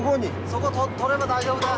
そこ取れば大丈夫だ。